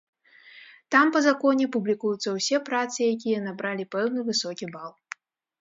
Там па законе публікуюцца ўсе працы, якія набралі пэўны высокі бал.